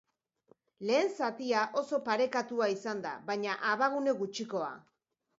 Lehen zatia oso parekatua izan da, baina abagune gutxikoa.